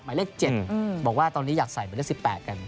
หมายเลข๗บอกว่าตอนนี้อยากใส่หมายเลข๑๘กัน